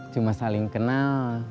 cuma saling kenal